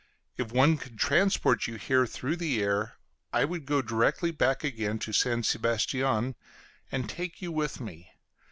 If one could transport you here through the air, I would go directly back again to St. Sebastian, and take you with me.